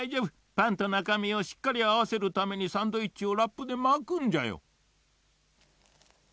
パンとなかみをしっかりあわせるためにサンドイッチをラップでまくんじゃよ。